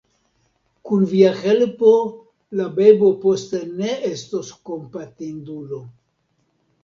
Kun via helpo la bebo poste ne estos kompatindulo.